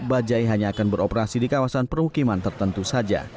bajaj hanya akan beroperasi di kawasan perhukiman tertentu saja